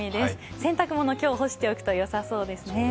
洗濯物、今日、干しておくとよさそうですね。